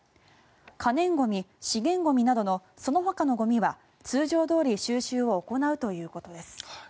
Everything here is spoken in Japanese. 可燃ゴミ、資源ゴミなどのそのほかのゴミは通常どおり収集を行うということです。